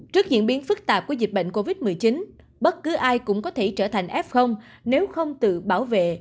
trước diễn biến phức tạp của dịch bệnh covid một mươi chín bất cứ ai cũng có thể trở thành f nếu không tự bảo vệ